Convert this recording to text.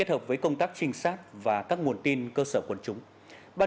thời mày với thằng này